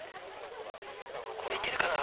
これ行けるかな？